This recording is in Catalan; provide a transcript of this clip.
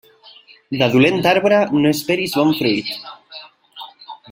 De dolent arbre, no esperis bon fruit.